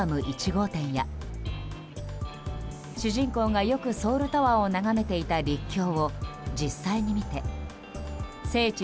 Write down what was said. １号店や主人公がよくソウルタワーを眺めていた陸橋を実際に見て聖地